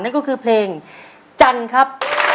นั่นก็คือเพลงจันทร์ครับ